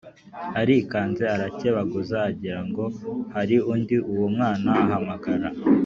arikanze, arakebaguza agira ngo hari undi uwo mwana ahamagara.